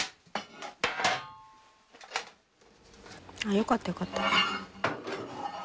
よかったよかった。